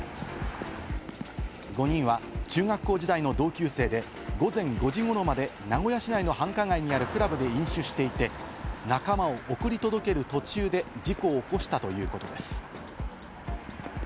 ５人は中学校時代の同級生で午前５時頃まで名古屋市内の繁華街にあるクラブで飲酒していて、仲間を送り届ける途中で事故を起こしたということです。